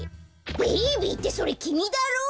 「ベイビー」ってそれきみだろう！